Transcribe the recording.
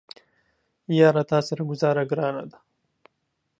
یاره تاسره ګوزاره ګرانه ده